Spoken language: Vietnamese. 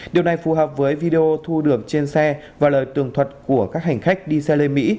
điều này phù hợp với video thu được trên xe và lời tường thuật của các hành khách đi xe lê mỹ